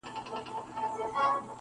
کندهار مي د بابا په قباله دی-